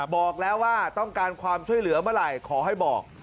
บอกแล้วว่าต้องการความช่วยเหลือเมื่อไหร่ขอให้บอก